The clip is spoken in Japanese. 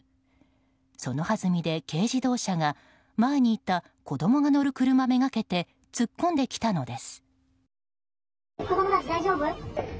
そのはずみで軽自動車が前にいた子供が乗る車めがけて突っ込んできたのです。